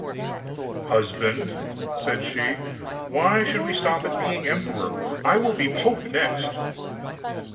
'Husband,' said she, 'why should we stop at being emperor? I will be pope next.